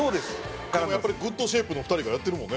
やっぱりグッドシェイプの２人がやってるもんね。